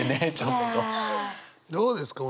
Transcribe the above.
どうですか？